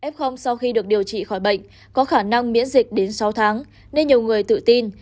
f sau khi được điều trị khỏi bệnh có khả năng miễn dịch đến sáu tháng nên nhiều người tự tin